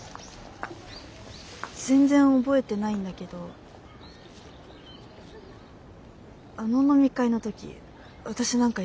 全然覚えてないんだけどあの飲み会の時私何かやらかした？